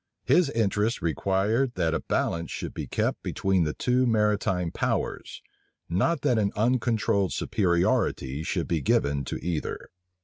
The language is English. His interest required that a balance should be kept between the two maritime powers; not that an uncontrolled superiority should be given to either.